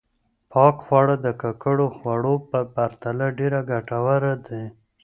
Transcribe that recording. پاک خواړه د ککړو خوړو په پرتله ډېر ګټور دي.